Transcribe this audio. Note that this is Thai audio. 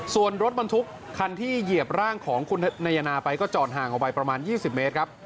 ส่วนรถบรรทุกคันที่เหยียบร่างของคุณนายนาไปก็จอดห่างออกไปประมาณ๒๐เมตรครับ